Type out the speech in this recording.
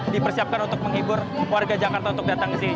dipersiapkan untuk menghibur warga jakarta untuk datang ke sini